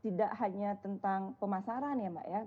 tidak hanya tentang pemasaran ya mbak ya